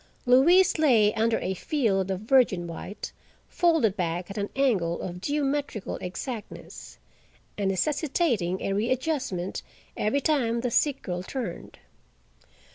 Louise lay under a field of virgin white, folded back at an angle of geometrical exactness, and necessitating a readjustment every time the sick girl turned.